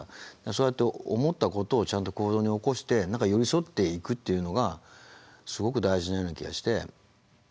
そうやって思ったことをちゃんと行動に起こして寄り添っていくというのがすごく大事なような気がして。